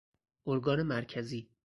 ارگان مرکزی